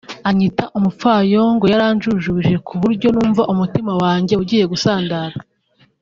anyita umupfayongo yaranjujubije ku buryo numva umutima wanjye ugiye gusandara